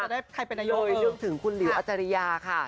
เรื่องถึงคุณหลิวอัจจริยาค่ะ